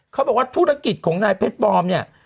เขาบอกว่าธุรกิจของนายเพชรบอมเนี่ย